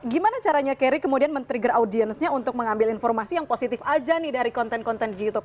gimana caranya carry kemudian men trigger audience nya untuk mengambil informasi yang positif aja nih dari konten konten youtube